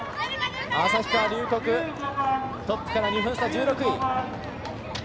旭川龍谷トップから２分差、１６位。